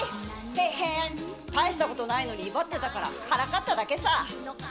へへん、たいしたことないのにいばってたからからかっただけさ。